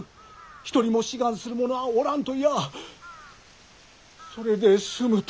一人も志願する者ぁおらん』と言やあそれで済む」と。